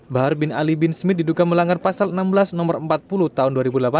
bahar bin ali bin smith diduka melanggar pasal enam belas no empat puluh tahun dua ribu delapan belas